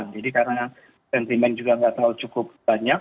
jadi karena sentimen juga tidak tahu cukup banyak